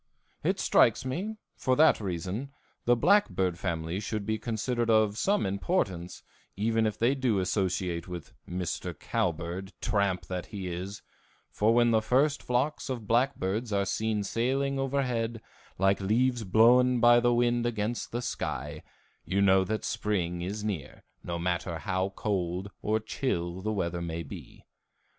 It strikes me, for that reason, the blackbird family should be considered of some importance, even if they do associate with Mr. Cowbird, tramp that he is, for when the first flocks of blackbirds are seen sailing overhead, like leaves blown by the wind against the sky, you know that spring is near, no matter how cold or chill the weather may be.